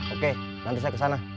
oke nanti saya kesana